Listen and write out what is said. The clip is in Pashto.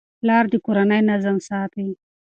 پلار د کورنۍ نظم ساتي.